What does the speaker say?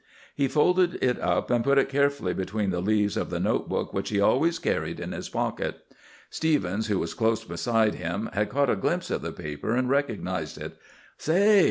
He folded it up and put it carefully between the leaves of the note book which he always carried in his pocket. Stephens, who was close beside him, had caught a glimpse of the paper, and recognized it. "Say!"